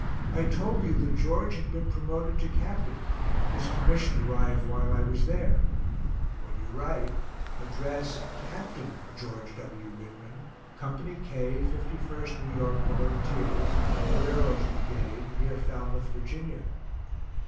I told you that George had been promoted to captain his commission arrived while I was there. When you write, address, Capt. George W. Whitman, Co. K., 51st New York Volunteers, Ferrero's brigade, near Falmouth, Va.